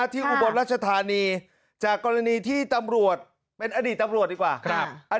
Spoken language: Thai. อุบลรัชธานีจากกรณีที่ตำรวจเป็นอดีตตำรวจดีกว่า